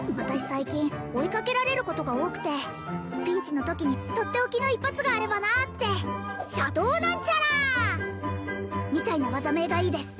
最近追いかけられることが多くてピンチのときにとっておきの一発があればなってシャドウなんちゃら！みたいな技名がいいです